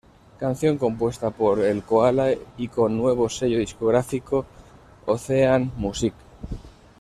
Canción compuesta por El Koala y con nuevo sello discográfico Ocean Music.